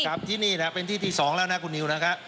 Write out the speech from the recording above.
ครับที่นี่นะครับเป็นที่ที่สองแล้วนะคุณนิวนะครับ